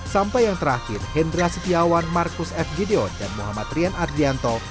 sampai yang terakhir hendra setiawan marcus f gideon dan muhammad rian ardianto